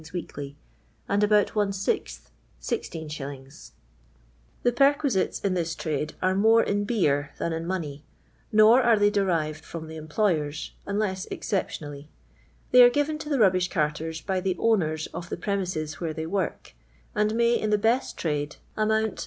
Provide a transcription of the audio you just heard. wccklv, and ab'jut onu sixth Tf't' pti'/ii'n'f'is in this trad are more in beer than ill money, nor arc they derirod from the employer *, unless oxooptionally. Tht y are iriveii to the rubbish carters by tlie owners of the pre mises where tliey work, and may, in the best trade, amo mt.